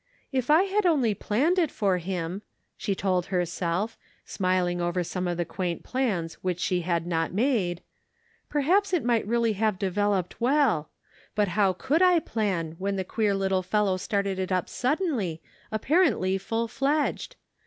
" If I had only planned it for him," she told herself, smiling over some of the quaint plans which she had not made, " perhaps it might really have developed well ; but how could I plan when the queer little fellow started it up suddenly, appar ently full fledged?